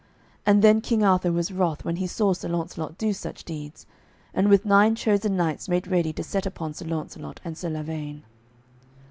And then King Arthur was wroth when he saw Sir Launcelot do such deeds, and with nine chosen knights made ready to set upon Sir Launcelot and Sir Lavaine.